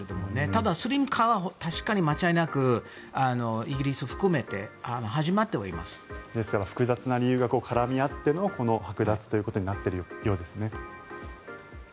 ただスリム化は確かに間違いなくイギリス含めて複雑な理由が絡み合ってのこのはく奪ということになっているようですね。